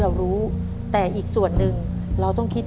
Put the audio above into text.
แบบช่วยดูเสลจคือทำทุกอย่างที่ให้น้องอยู่กับแม่ได้นานที่สุด